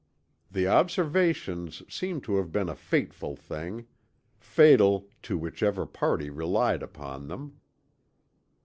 The Observations seem to have been a fateful thing, fatal to whichever party relied upon them.